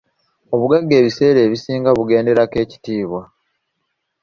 Obugagga ebiseera ebisinga bugenderako ekitiibwa.